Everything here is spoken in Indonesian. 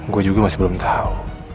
gue juga masih belum tahu